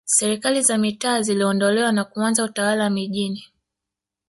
Serikali za mitaa ziliondolewa na kuanza Utawala mijini